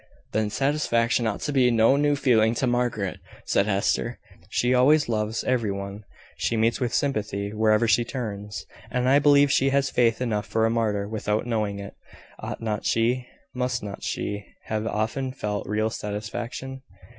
"Then satisfaction ought to be no new feeling to Margaret," said Hester. "She always loves every one: she meets with sympathy wherever she turns; and I believe she has faith enough for a martyr, without knowing it. Ought not she must not she, have often felt real satisfaction?"